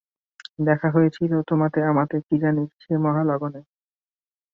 করার চেষ্টা করছি সেটাই গুরুত্বপূর্ণ।